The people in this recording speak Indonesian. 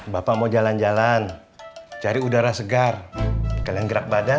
bapak mau jalan jalan cari udara segar kalian gerak badan